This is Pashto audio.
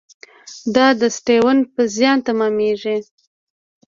دا د سټیونز پر زیان تمامېږي.